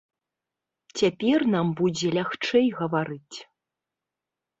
Цяпер нам будзе лягчэй гаварыць.